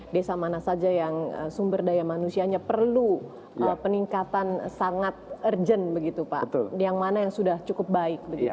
desa mana saja yang sumber daya manusianya perlu peningkatan sangat urgent begitu pak yang mana yang sudah cukup baik